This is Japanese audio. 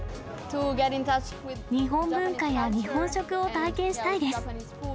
日本文化や日本食を体験したいです。